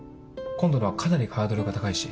今度のはかなりハードルが高いし。